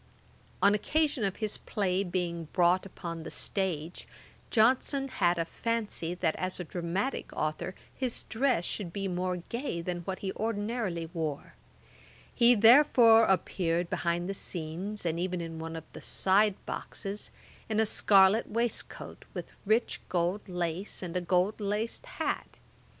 ] On occasion of his play being brought upon the stage, Johnson had a fancy that as a dramatick authour his dress should be more gay than what he ordinarily wore; he therefore appeared behind the scenes, and even in one of the side boxes, in a scarlet waistcoat, with rich gold lace, and a gold laced hat.